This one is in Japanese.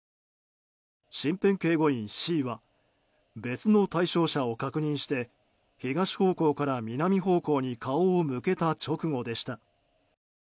身辺警護員Ｃは別の対象者を確認して東方向から南方向に顔を向けた直後でした。